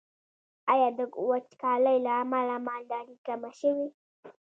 آیا د وچکالۍ له امله مالداري کمه شوې؟